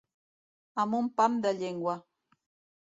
Amb un pam de llengua.